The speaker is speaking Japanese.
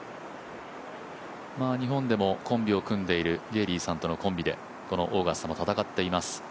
日本でもコンビを組んでいるゲーリーさんとのコンビでこのオーガスタも戦っています。